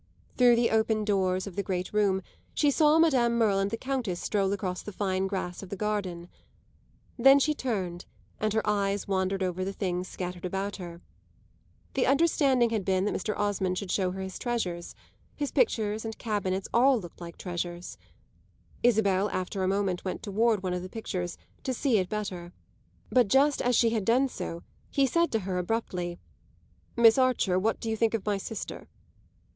Through the open doors of the great room she saw Madame Merle and the Countess stroll across the fine grass of the garden; then she turned, and her eyes wandered over the things scattered about her. The understanding had been that Mr. Osmond should show her his treasures; his pictures and cabinets all looked like treasures. Isabel after a moment went toward one of the pictures to see it better; but just as she had done so he said to her abruptly: "Miss Archer, what do you think of my sister?"